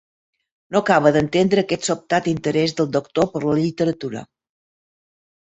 No acaba d'entendre aquest sobtat interès del doctor per la literatura.